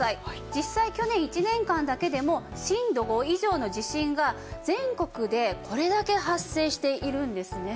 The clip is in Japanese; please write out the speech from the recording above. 実際去年１年間だけでも震度５以上の地震が全国でこれだけ発生しているんですね。